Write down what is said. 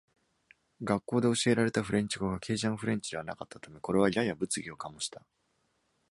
学校で教えられたフランス語がケイジャン・フレンチではなかったため、これはやや物議を醸した。